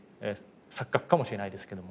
錯覚かもしれないですけども。